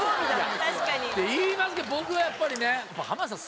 確かにって言いますけど僕はやっぱりね浜田さん